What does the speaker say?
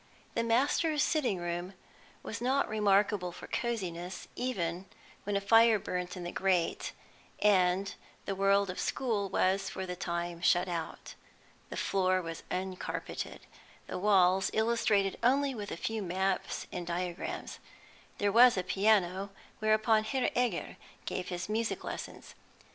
The masters' sitting room was not remarkable for cosiness, even when a fire burnt in the grate and the world of school was for the time shut out. The floor was uncarpeted, the walls illustrated only with a few maps and diagrams. There was a piano, whereon Herr Egger gave his music lessons.